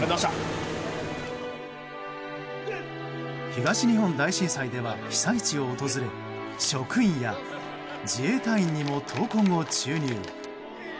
東日本大震災では被災地を訪れ職員や自衛隊員にも闘魂を注入。